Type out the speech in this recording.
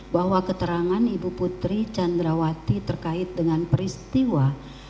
bahwa keterangan ibu putri candrawati terkait dengan peristiwa